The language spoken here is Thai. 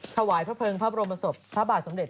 ถวายพระเภงภาพรมศพเพ้าะบาทสมเด็จ